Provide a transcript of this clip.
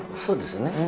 そうですね